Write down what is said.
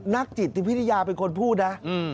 นักจิตวิทยาเป็นคนพูดนะ